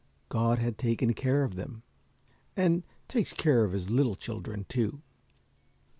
God had taken care of them, and takes care of of His little children, too.